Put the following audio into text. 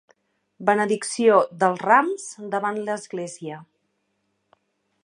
Benedicció del Rams davant de l'església.